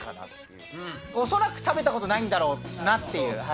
恐らく食べたことないんだろうなっていう。